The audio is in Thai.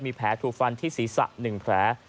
มีแผลถูกฟันที่ศีรษะ๑แผล